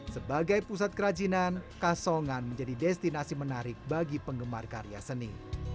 sebagai pusat kerajinan kasongan menjadi destinasi menarik bagi penggemar karya seni